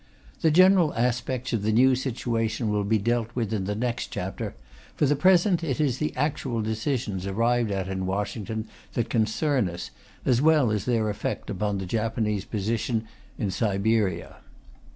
The general aspects of the new situation will be dealt with in the next chapter; for the present it is the actual decisions arrived at in Washington that concern us, as well as their effect upon the Japanese position in Siberia.